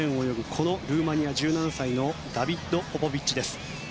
このルーマニア、１７歳のダビッド・ポポビッチです。